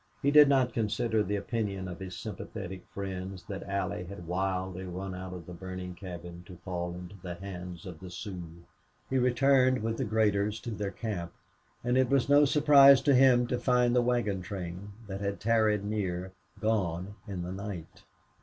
He did not consider the opinion of his sympathetic friends that Allie had wildly run out of the burning cabin to fall into the hands of the Sioux. He returned with the graders to their camp; and it was no surprise to him to find the wagon train, that had tarried near, gone in the night.